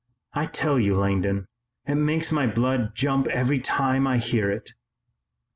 I tell you, Langdon, it makes my blood jump every time I hear it."